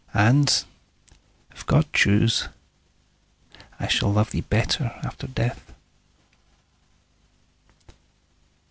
—and, if God choose, I shall but love thee better after death.